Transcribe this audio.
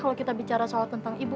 kalau kita bicara soal tentang ibu